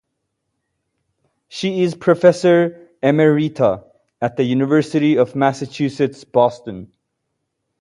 She is Professor Emerita at the University of Massachusetts Boston.